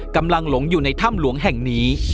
หลงอยู่ในถ้ำหลวงแห่งนี้